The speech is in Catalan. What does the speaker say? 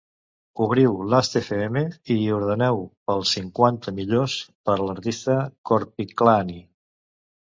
Obriu Lastfm i ordeneu pels cinquanta-millors per l'artista Korpiklaani.